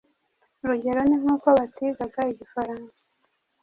Urugero ni nk'uko batigaga igifaransa